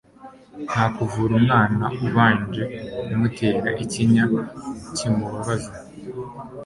nta kuvura umwana ubanje kumutera ikinya kimubabaza